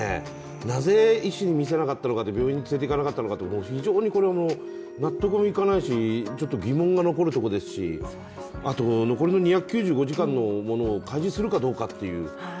なぜ医師に診せなかったのか病院に連れていかなかったのか、非常に納得がいかないし、疑問が残るところですしあと、残りの２９５時間のものを開示するかどうかという。